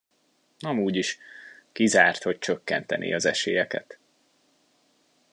Amúgy is, kizárt, hogy csökkentené az esélyeket.